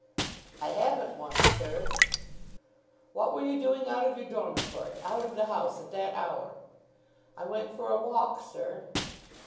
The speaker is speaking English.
"I haven't one, sir." "What were you doing out of your dormitory, out of the house, at that hour?" "I went for a walk, sir."